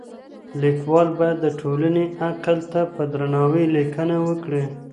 ليکوال بايد د ټولني عقل ته په درناوي ليکنه وکړي.